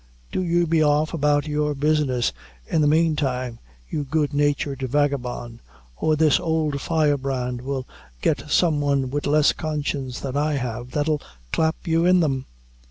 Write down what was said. "Do you be off about your business, in the mane time, you good natured vagabone, or this ould fire brand will get some one wid less conscience than I have, that'll clap you in them."